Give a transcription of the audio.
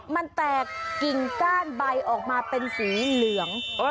มันแตกกิ่งก้านใบออกมาเป็นสีเหลือง